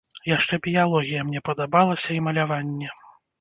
Яшчэ біялогія мне падабалася і маляванне.